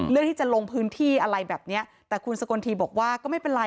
ที่จะลงพื้นที่อะไรแบบเนี้ยแต่คุณสกลทีบอกว่าก็ไม่เป็นไร